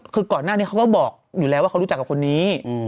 คือก่อนหน้านี้เขาก็บอกอยู่แล้วว่าเขารู้จักกับคนนี้